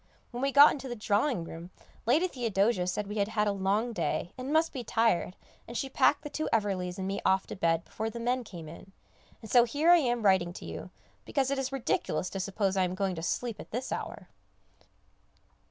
when we got into the drawing room, Lady Theodosia said we had had a long day, and must be tired, and she packed the two Everleighs and me off to bed before the men came in, and so here I am writing to you, because it is ridiculous to suppose I am going to sleep at this hour.